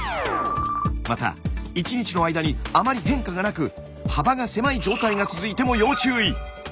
また１日の間にあまり変化がなく幅が狭い状態が続いても要注意。